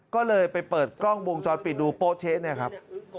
ก็เลยไปเปิดกล้องวงจรปิดดูโป๊เช๊เนี่ยครับ